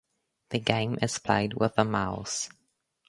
The game is played with the mouse.